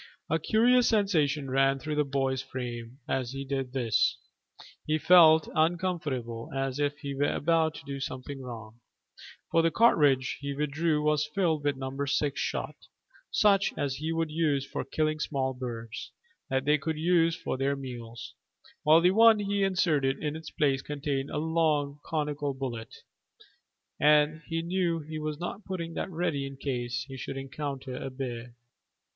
A curious sensation ran through the boy's frame as he did this. He felt uncomfortable and as if he were about to do some wrong thing, for the cartridge he withdrew was filled with number six shot such as he would use for killing small birds that they could use for their meals, while the one he inserted in its place contained a long conical bullet, and he knew he was not putting that ready in case he should encounter a bear.